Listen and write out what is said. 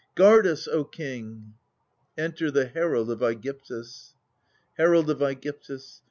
!>\ Guard us, O king ! Ejiter the Herald of Mgyvtvs. Herald of ^gyptus.